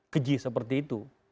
keji seperti itu